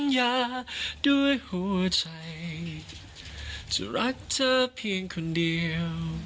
เป็นเพลงเพื่อเธอคนเดียว